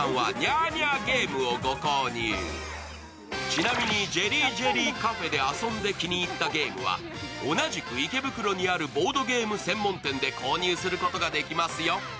ちなみに、ＪＥＬＬＹＪＥＬＬＹＣＡＦＥで遊んで気に入ったゲームは同じく池袋にあるボードゲーム専門店で購入することができますよ。